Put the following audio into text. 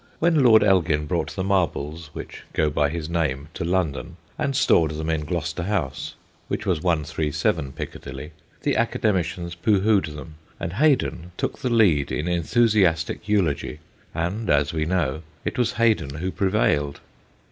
When Lord Elgin brought the Marbles which go by his name to London, and stored them in Gloucester House which was 137 240 THE GHOSTS OF PICCADILLY Piccadilly the Academicians pooh poohed them, and Hay don took the lead in en thusiastic eulogy, and, as we know, it was Haydon who prevailed.